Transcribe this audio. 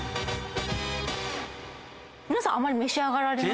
皆さんあまり召し上がらない？